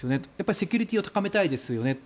セキュリティーを高めたいですよねと。